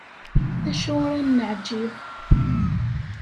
D acu ur am-neεǧib?